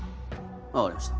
分かりました